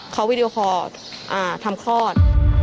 เขาวีดีโอคอร์ทำคลอด